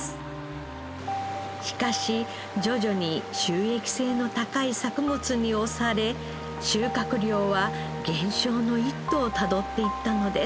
しかし徐々に収益性の高い作物に押され収穫量は減少の一途をたどっていったのです。